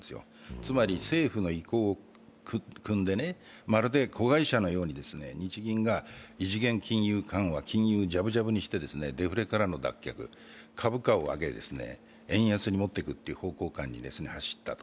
つまり政府の意向をくんで、まるで子会社のように日銀が異次元金融緩和、金融ジャブジャブにしてデフレからの脱却、株価を上げて円安にもっていくという方向に走った。